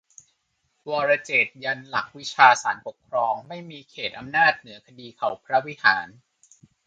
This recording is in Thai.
'วรเจตน์' ยันหลักวิชา ศาลปกครองไม่มีเขตอำนาจเหนือคดีเขาพระวิหาร